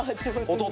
弟。